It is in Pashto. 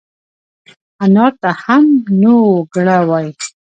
انار ته هم نووګوړه وای